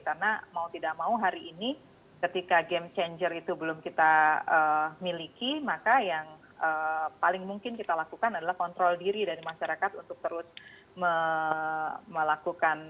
karena mau tidak mau hari ini ketika game changer itu belum kita miliki maka yang paling mungkin kita lakukan adalah kontrol diri dari masyarakat untuk terus mengembangkan